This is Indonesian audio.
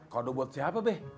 kado buat siapa be